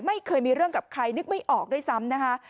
ไม่เคยมีเรื่องกับใครนึกไม่ออกด้วยซ้ำนะคะ